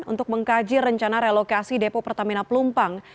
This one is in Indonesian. untuk mengkaji rencana relokasi depo pertamina pelumpang